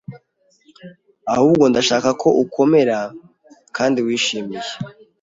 Ahubwo, ndashaka ko ukomera kandi wishimiye